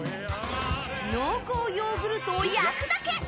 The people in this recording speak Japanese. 濃厚ヨーグルトを焼くだけ！